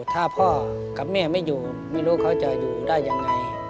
ถ้าพ่อกับแม่ไม่อยู่ไม่รู้เขาจะอยู่ได้ยังไง